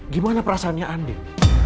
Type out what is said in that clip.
gimana perasaannya andien